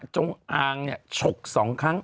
ตรงอังชกสองครั้ง